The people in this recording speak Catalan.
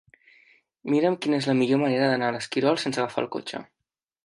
Mira'm quina és la millor manera d'anar a l'Esquirol sense agafar el cotxe.